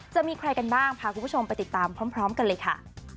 จะมีใครกันบ้างพาคุณผู้ชมไปติดตามพร้อมกันเลยค่ะ